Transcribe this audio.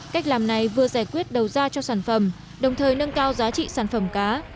cách làm này vừa giải quyết đầu ra cho sản phẩm đồng thời nâng cao giá trị sản phẩm cá